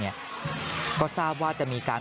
ก็ทราบว่าจะมีการ